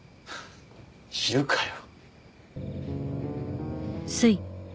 知るかよ